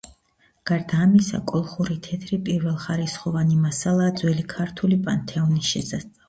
გარდა ამისა, კოლხური თეთრი პირველხარისხოვანი მასალაა ძველი ქართული პანთეონის შესასწავლად.